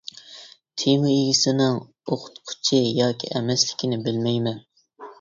تېما ئىگىسىنىڭ ئوقۇتقۇچى ياكى ئەمەسلىكىنى بىلمەيمەن.